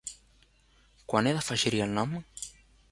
Quan he d'afegir-hi el nom?